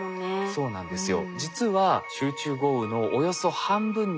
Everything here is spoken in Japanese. そうなんですよ。